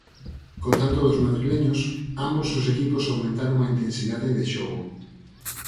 Co tanto dos madrileños, ambos os equipos aumentaron a intensidade de xogo.